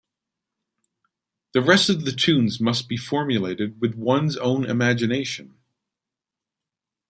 The rest of the tunes must be formulated with one's own imagination.